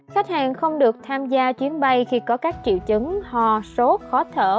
khách hàng không được tham gia chuyến bay khi có các triệu chứng ho sốt khó thở